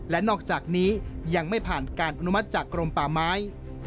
และนอกจากนี้ยังไม่ผ่านการอนุมัติจากกรมป่าไม้